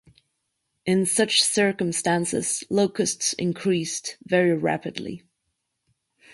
In such circumstances, locusts increased very rapidly.